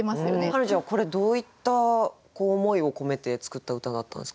花ちゃんこれどういった思いを込めて作った歌だったんですか？